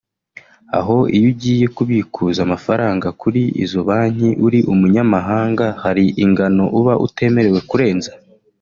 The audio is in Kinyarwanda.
aho iyo ugiye kubikuza amafaranga kuri izo banki uri umunyamahanga hari ingano uba utemerewe kurenza